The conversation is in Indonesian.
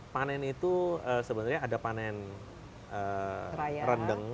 panen itu sebenarnya ada panen rendeng